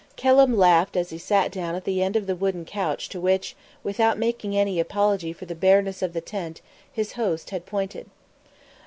Kelham laughed as he sat down at the end of the wooden couch to which, without making any apology for the bareness of the tent, his host had pointed.